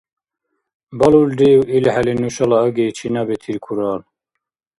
Балулрив илхӀели нушала аги чина бетиркурал?